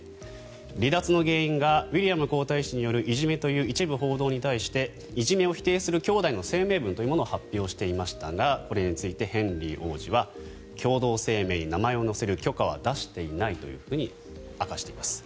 離脱の原因がウィリアム皇太子によるいじめという一部報道に対していじめを否定する兄弟の声明文というものを発表していましたがこれについてヘンリー王子は共同声明に名前を載せる許可は出していないと明かしています。